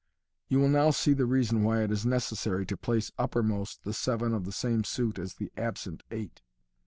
(You will now see the reason why it is necessary to place uppermost the seven of the same suit as the absent eight.